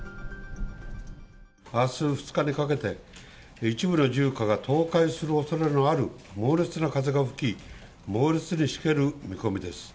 あす２日にかけて、一部の住家が倒壊するおそれのある猛烈な風が吹き、猛烈にしける見込みです。